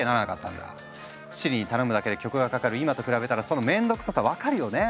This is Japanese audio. Ｓｉｒｉに頼むだけで曲がかかる今と比べたらその面倒くささ分かるよね？